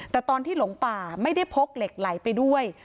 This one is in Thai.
แต่ตอนที่หลงป่าไม่ได้พกเหล็กไหลไปด้วย